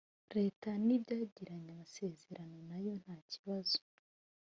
leta n’ibyagiranye amasezerano nayo nta kibazo